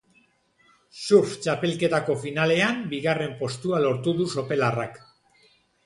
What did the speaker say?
Surf txapelketako finalean bigarren postua lortu du sopelarrak.